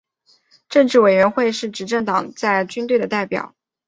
政治委员是执政党在军队的代表。